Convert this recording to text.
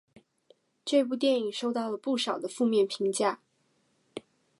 这部电影收到了不少的负面评价。